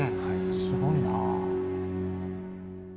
すごいな。